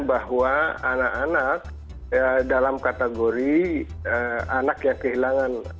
bahwa anak anak dalam kategori anak yang kehilangan